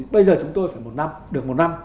bây giờ chúng tôi phải một năm được một năm